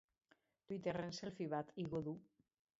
Twitterren selfie bat igo du.